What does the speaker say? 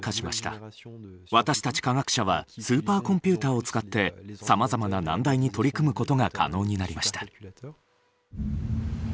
私たち科学者はスーパーコンピューターを使ってさまざまな難題に取り組むことが可能になりました。